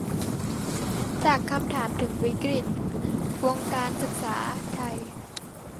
จากคำถามถึงวิกฤติ วงการศึกษาไทย